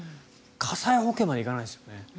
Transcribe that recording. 火災保険まで行かないですよね。